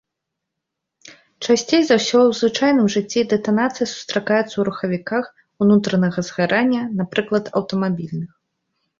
Часцей за ўсё ў звычайным жыцці дэтанацыя сустракаецца ў рухавіках унутранага згарання, напрыклад аўтамабільных.